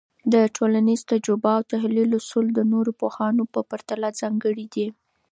د ټولنيز تجزیه او تحلیل اصول د نورو پوهانو په پرتله ځانګړي دي.